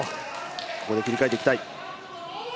ここで切り替えていきたい。